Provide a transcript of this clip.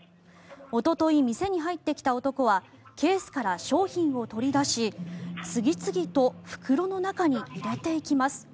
おととい、店に入ってきた男はケースから商品を取り出し次々と袋の中に入れていきます。